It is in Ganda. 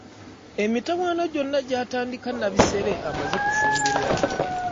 Emitawaana gyonna gyatandika Nabisere amaze kufumbirwa.